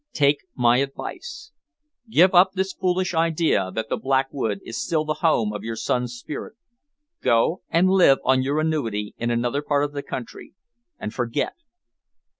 "Take my advice. Give up this foolish idea that the Black Wood is still the home of your son's spirit. Go and live on your annuity in another part of the country and forget."